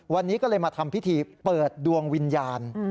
วันนี้ก็เลยมาทำพิธีเปิดดวงวิญญาณ